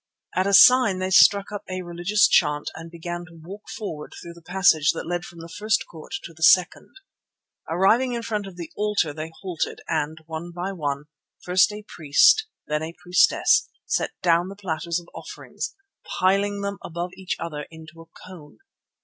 At a sign they struck up a religious chant and began to walk forward through the passage that led from the first court to the second. Arriving in front of the altar they halted and one by one, first a priest and then a priestess, set down the platters of offerings, piling them above each other into a cone.